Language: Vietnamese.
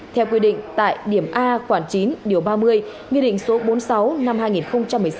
theo quy định tại điểm a khoảng chín điều ba mươi nghị định số bốn mươi sáu năm hai nghìn một mươi sáu